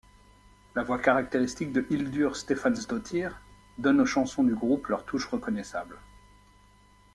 La voix caractéristique de Hildur Stefánsdóttir donne aux chansons du groupe leur touche reconnaissable.